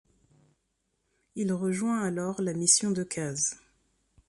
Il rejoint alors la mission Decazes.